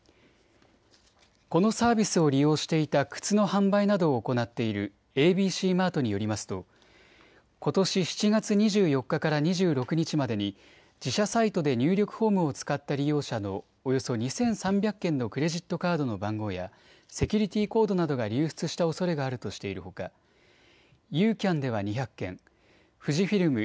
このサービスを利用していた靴の販売などを行っているエービーシー・マートによりますとことし７月２４日から２６日までに自社サイトで入力保護を使った利用者のおよそ２３００件のクレジットカードの番号やセキュリティーコードなどが流出したおそれがあるとしているほか、ユーキャンでは２００件、富士フイルム